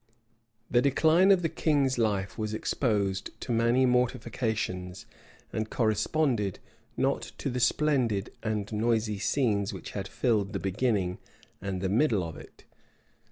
The decline of the king's life was exposed to many mortifications, and corresponded not to the splendid and noisy scenes which had filled the beginning and the middle of it.